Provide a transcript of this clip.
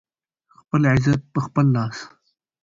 خپل عزت په خپل لاس